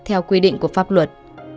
theo quy định của pháp luật